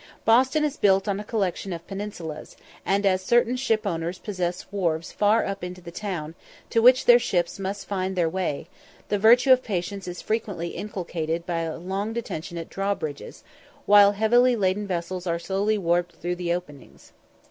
Boston is built on a collection of peninsulas; and as certain shipowners possess wharfs far up in the town, to which their ships must find their way, the virtue of patience is frequently inculcated by a long detention at drawbridges, while heavily laden vessels are slowly warped through the openings.